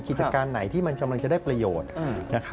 กิจการไหนที่มันกำลังจะได้ประโยชน์